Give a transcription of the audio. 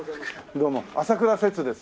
どうも朝倉摂です。